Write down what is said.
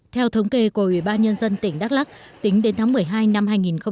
theo thống kê của ủy ban nhân dân tỉnh đắk lắc tính đến tháng một mươi hai năm hai nghìn một mươi chín